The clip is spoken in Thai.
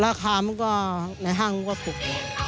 ราคามันก็ห้างมันก็ปรุก